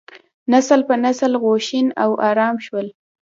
نسل په نسل غوښین او ارام شول.